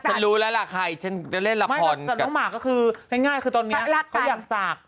ฉันรู้แล้วล่ะใครฉันจะเล่นละครแต่น้องหมากก็คือง่ายคือตอนนี้เขาอยากศักดิ์